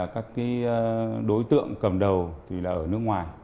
các đối tượng cầm đầu